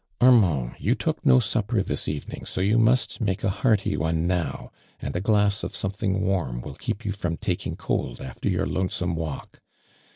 •* Armand, you took no supper this even ing so you must make a hearty one now, and a glass of something warm will keep you from taking cold after your lonesome walk.